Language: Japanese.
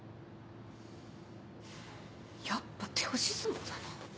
やっぱ手押し相撲だな。